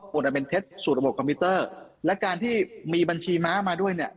อันเป็นเท็จสู่ระบบคอมพิวเตอร์และการที่มีบัญชีม้ามาด้วยเนี่ย